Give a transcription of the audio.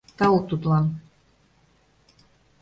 Тау тудлан!